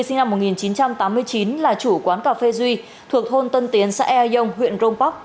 sinh năm một nghìn chín trăm tám mươi chín là chủ quán cà phê duy thuộc thôn tân tiến xã ea dông huyện grong park